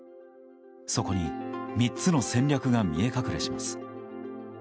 そこに３つの戦略が見え隠れします。